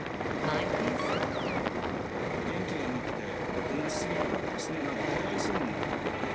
元気がなくて、おとなしすぎたからですね、なんかかわいそうになって。